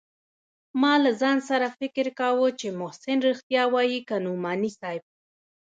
ما له ځان سره فکر کاوه چې محسن رښتيا وايي که نعماني صاحب.